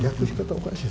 おかしい。